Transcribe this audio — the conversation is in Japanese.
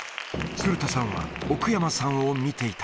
鶴田さんは、奥山さんを見ていた。